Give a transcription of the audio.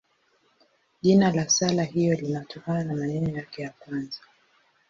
Jina la sala hiyo linatokana na maneno yake ya kwanza.